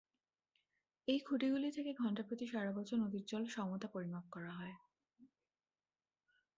এই খুঁটিগুলি থেকে ঘন্টাপ্রতি সারা বছর নদীর জল সমতা পরিমাপ করা হয়।